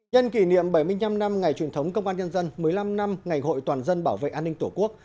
nhân kỷ niệm bảy mươi năm năm ngày truyền thống công an nhân dân một mươi năm năm ngày hội toàn dân bảo vệ an ninh tổ quốc